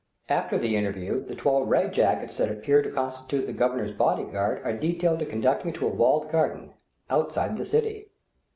After the interview the twelve red jackets that appear to constitute the Governor's bodyguard are detailed to conduct me to a walled garden outside the city.